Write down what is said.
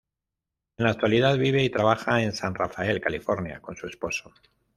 En la actualidad vive y trabaja en San Rafael, California con su esposo.